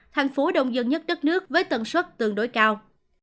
thành phố đông dân nhất đất nước với tần suất tương đối cao